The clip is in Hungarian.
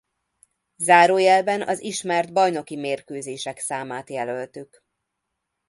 Zárójelben az ismert bajnoki mérkőzések számát jelöltük.